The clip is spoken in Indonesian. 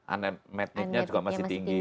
unmetnitnya juga masih tinggi